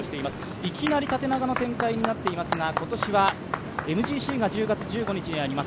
いきなり縦長の展開になっていますが、今年はＭＧＣが１０月１５日にあります。